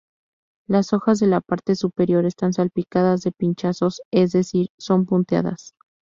Las hojas de la parte superior están salpicadas de pinchazos, es decir, son punteadas.